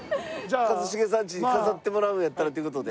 一茂さんちに飾ってもらうんやったらっていう事で。